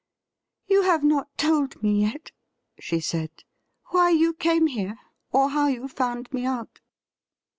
' You have not told me yet,' she said, ' why you came here, or how you found me out.'